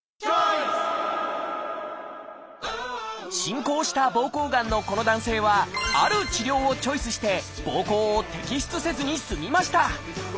進行した膀胱がんのこの男性はある治療をチョイスして膀胱を摘出せずに済みました。